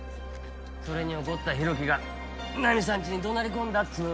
それに怒った浩喜がナミさんちに怒鳴り込んだっつう噂やろ。